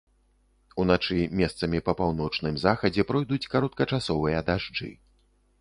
Уначы месцамі па паўночным захадзе пройдуць кароткачасовыя дажджы.